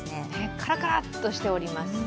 カラカラッとしております。